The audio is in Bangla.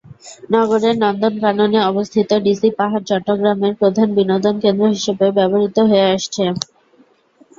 নগরের নন্দনকাননে অবস্থিত ডিসি পাহাড় চট্টগ্রামের প্রধান বিনোদন কেন্দ্র হিসেবে ব্যবহূত হয়ে আসছে।